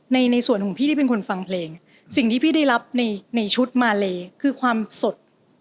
ในส่วนของพี่ที่เป็นคนฟังเพลงสิ่งที่พี่ได้รับในในชุดมาเลคือความสด